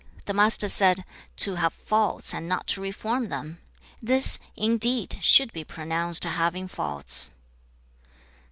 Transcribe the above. The Master said, 'To have faults and not to reform them, this, indeed, should be pronounced having faults.'